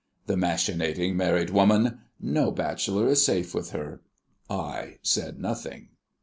The machinating married woman! No bachelor is safe with her. I said nothing.